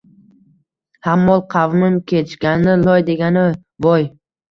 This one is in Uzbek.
Hammol qavmin kechgani loy, degani: «Voy!!!»